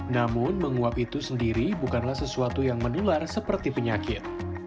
namun menguap itu sendiri bukanlah sesuatu yang menular seperti penyakit